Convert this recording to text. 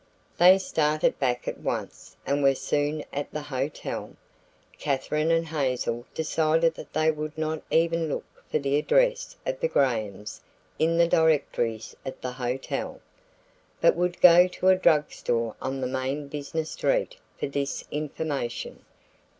They started back at once and were soon at the hotel. Katherine and Hazel decided that they would not even look for the address of the Grahams in the directories at the hotel, but would go to a drug store on the main business street for this information.